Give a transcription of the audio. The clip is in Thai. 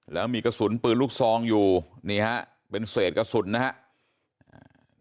แล้วมีกระสุนปืนลูกซองอยู่นี่ฮะเป็นเศษกระสุนนะครับ